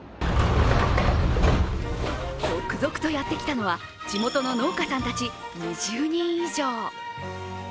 続々とやってきたのは地元の農家さんたち２０人以上。